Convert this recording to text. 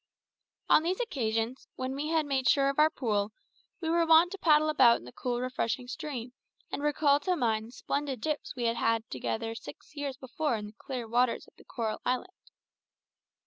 On these occasions, when we had made sure of our pool, we were wont to paddle about in the cool refreshing stream, and recall to mind the splendid dips we had had together six years before in the clear waters of the coral island.